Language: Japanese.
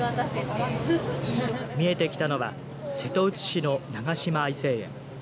見えてきたのは瀬戸内市の長島愛生園。